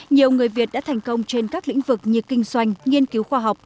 nhiều người việt đã thành công trên các lĩnh vực như kinh doanh nghiên cứu khoa học